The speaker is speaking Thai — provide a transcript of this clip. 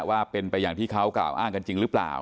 ว่าเป็นไปอย่างที่เขากล่าวอ้างกันจริงหรือเปล่า